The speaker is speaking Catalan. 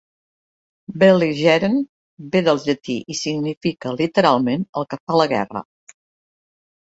"Belligerent" ve del llatí i significa, literalment, "el que fa la guerra".